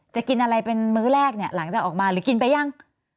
กินอะไรเป็นมื้อแรกเนี่ยหลังจากออกมาหรือกินไปยัง